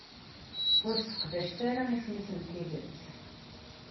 Ur seqdacet ara isem-is n tidet.